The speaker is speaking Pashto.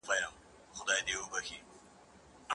شاګرد باید د خپلي مقالې انشا پخپله سمه کړي.